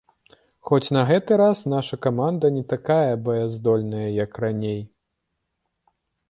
Хоць на гэты раз наша каманда не такая баяздольная, як раней.